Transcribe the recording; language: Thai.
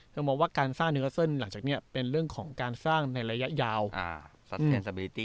เธอบอกว่าการสร้างเนื้อเกอร์เซินหลังจากเนี้ยเป็นเรื่องของการสร้างในระยะยาวอ่า